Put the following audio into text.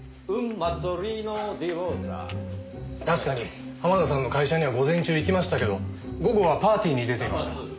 確かに濱田さんの会社には午前中行きましたけど午後はパーティーに出ていました。